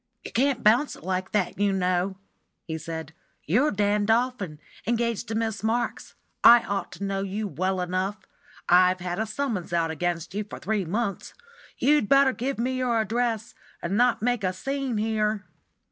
"You can't bounce it like that, you know," he said. "You're Dan Dolphin, engaged to Miss Marks; I ought to know you well enough; I've had a summons out against you for three months. You'd better give me your address, and not make a scene here."